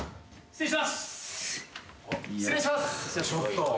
失礼します。